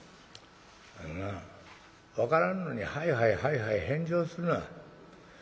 「あのな分からんのにはいはいはいはい返事をするな。